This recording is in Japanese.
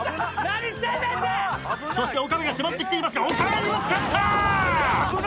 そして岡部が迫ってきていますが岡部にぶつかった！